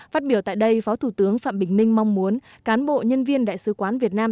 phát biểu tại đây phó thủ tướng phạm bình minh mong muốn cán bộ nhân viên đại sứ quán việt nam